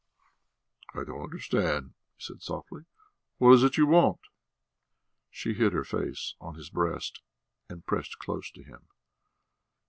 "I don't understand," he said softly. "What is it you want?" She hid her face on his breast and pressed close to him.